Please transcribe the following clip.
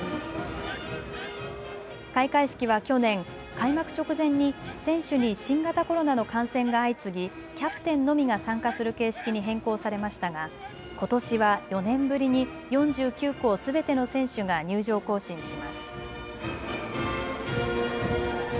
開会式は去年、開幕直前に選手に新型コロナの感染が相次ぎキャプテンのみが参加する形式に変更されましたがことしは４年ぶりに４９校すべての選手が入場行進します。